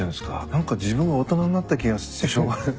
何か自分が大人になった気がしてしょうがない。